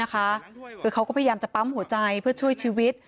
คือเขาก็พยายามจะปั๊มหัวใจเพื่อช่วยชีวิต